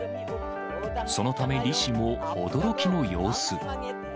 そのため、リ氏も驚きの様子。